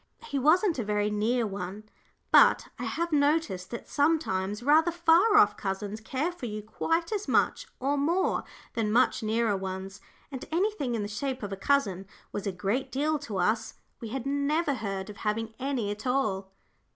He wasn't a very near one, but I have noticed that sometimes rather far off cousins care for you quite as much or more than much nearer ones. And anything in the shape of a cousin was a great deal to us; we had never heard of having any at all.